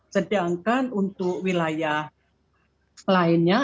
sedangkan untuk wilayah lainnya